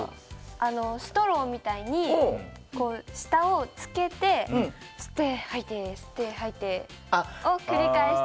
あのストローみたいに下をつけて吸って吐いて吸って吐いてを繰り返していく。